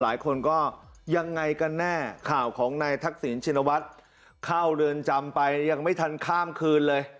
หลายคนก็ยังไงกันแน่ข่าวของนายทักษิณชินวัฒน์เข้าเรือนจำไปยังไม่ทันข้ามคืนเลย